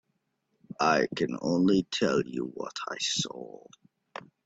I can only tell you what I saw.